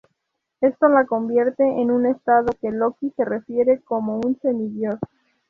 Esto la convierte en un estado que Loki se refiere como un "semidiós".